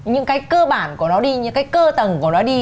những cái cơ bản của nó đi những cái cơ tầng của nó đi